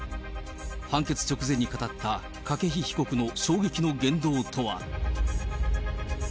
判決直前に語った筧被告の衝撃の言動とは。